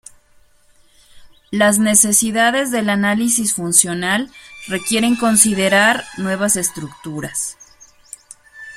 Las necesidades del análisis funcional requieren considerar nuevas estructuras.